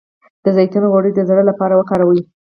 د زیتون غوړي د زړه لپاره وکاروئ